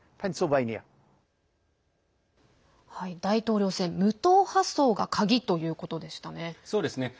大統領選、無党派層が鍵ということでしたね。